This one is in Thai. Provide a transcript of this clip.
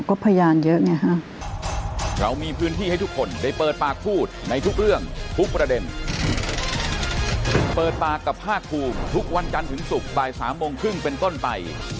ก็พยานเยอะเนี่ยฮะ